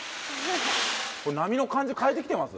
これ波の感じ変えてきてます？